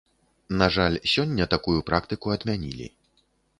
На жаль, сёння такую практыку адмянілі.